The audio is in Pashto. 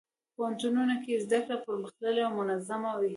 پوهنتون کې زدهکړه پرمختللې او منظمه وي.